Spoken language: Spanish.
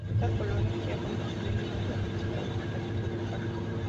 Esta colonia se ha convertido en uno de los principales atractivos del parque.